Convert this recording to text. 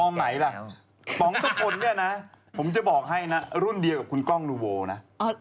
ไหนล่ะป๋องตุพลเนี่ยนะผมจะบอกให้นะรุ่นเดียวกับคุณกล้องลูโวนะ